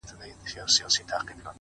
• زلفي يې زما پر سر سايه جوړوي،